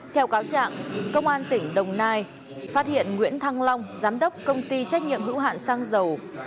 theo cáo trạng công an tỉnh đồng nai phát hiện nguyễn thăng long giám đốc công ty trách nhiệm hữu hạn xăng dầu